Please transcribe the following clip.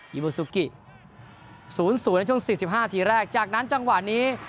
ิบูซูกิ๐๐ในช่วง๔๕ทีแรกจากนั้นจังหวะนี้